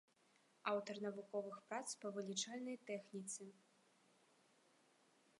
Аўтар навуковых прац па вылічальнай тэхніцы.